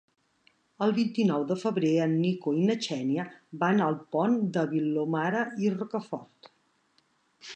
El vint-i-nou de febrer en Nico i na Xènia van al Pont de Vilomara i Rocafort.